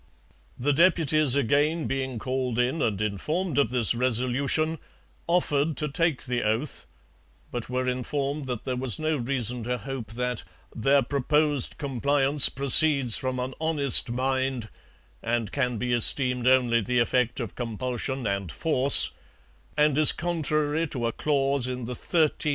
The deputies, again being called in and informed of this resolution, offered to take the oath, but were informed that there was no reason to hope that 'their proposed compliance proceeds from an honest mind and can be esteemed only the effect of compulsion and force, and is contrary to a clause in 1 Geo.